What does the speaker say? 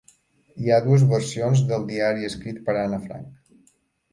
Hi ha dues versions del diari escrit per Anne Frank.